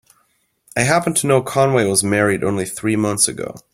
I happen to know Conway was married only three months ago.